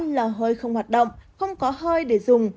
năm lò hơi không hoạt động không có hơi để dùng